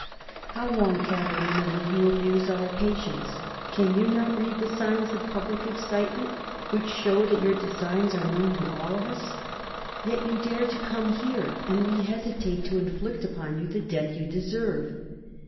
_How long, Catilina, will you abuse our patience? Can you not read the signs of public excitement which show that your designs are known to all of us? Yet you dare to come here, and we hesitate to inflict upon you the death you deserve.